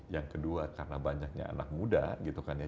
yang kedua karena banyaknya anak muda gitu kan ya